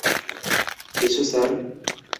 কিছু, স্যার?